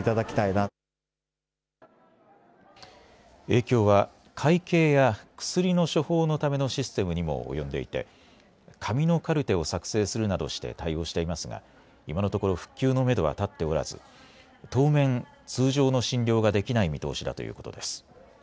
影響は会計や薬の処方のためのシステムにも及んでいて紙のカルテを作成するなどして対応していますが今のところ、復旧のめどは立っておらず当面、通常の診療ができない見通しだということです。